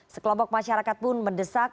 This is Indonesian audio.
sekelompok masyarakat pun mendesak